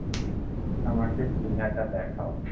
আমাকে প্লীহাটা দেখাও।